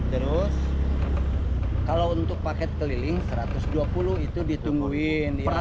terus kalau untuk paket keliling satu ratus dua puluh itu ditungguin